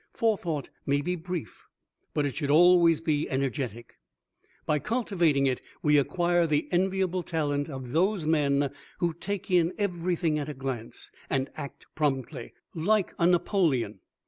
Forethought may be brief, but it should always be energetic. By cultivating it we acquire the enviable talent of those men who take in everything at a glance, and act promptly, like a NAPOLEON.